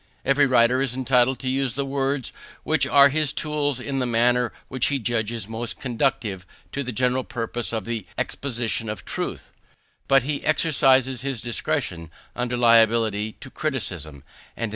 Every writer is entitled to use the words which are his tools in the manner which he judges most conducive to the general purposes of the exposition of truth; but he exercises this discretion under liability to criticism: and M.